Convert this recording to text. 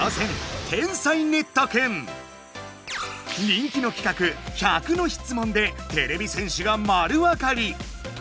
人気の企画「１００の質問」でてれび戦士が丸わかり！